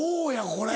これ。